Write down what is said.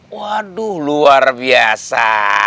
waduh luar biasa